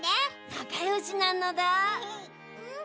なかよしなのだ。